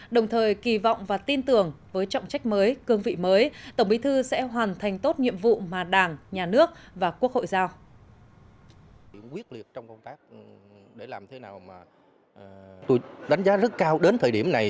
đồng thời kỳ vọng và tin tưởng với trọng trách mới cương vị mới tổng bí thư sẽ hoàn thành tốt nhiệm vụ mà đảng nhà nước và quốc hội giao